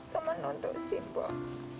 teman untuk si mbok